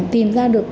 tìm ra được